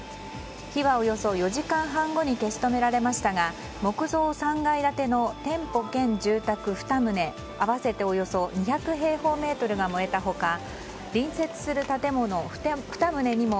火は、およそ４時間半後に消し止められましたが木造３階建ての店舗兼住宅２棟合わせておよそ２００平方メートルが燃えた他隣接する建物２棟にも